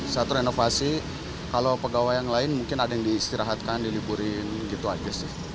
satu renovasi kalau pegawai yang lain mungkin ada yang diistirahatkan diliburin gitu aja sih